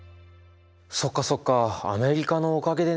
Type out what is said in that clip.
そっかそっかアメリカのおかげでね。